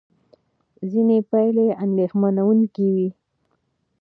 ځینې پایلې اندېښمنوونکې وې.